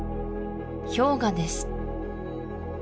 氷河です